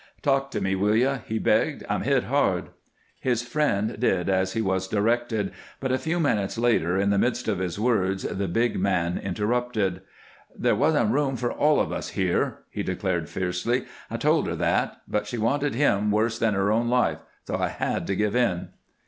"Talk to me, will you?" he begged. "I'm hit hard." His friend did as he was directed, but a few minutes later in the midst of his words the big man interrupted: "There wasn't room for all of us here," he declared, fiercely. "I told her that, but she wanted him worse than her own life, so I had to give in."